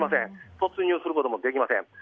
突入することもできません。